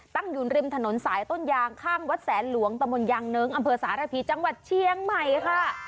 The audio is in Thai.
ตั้งอยู่ริมถนนสายต้นยางข้างวัดแสนหลวงตะมนต์ยางเนิ้งอำเภอสารพีจังหวัดเชียงใหม่ค่ะ